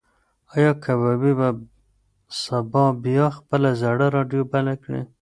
ایا کبابي به سبا بیا خپله زړه راډیو بله کړي؟